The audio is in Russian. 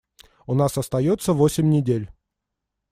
У нас остается восемь недель.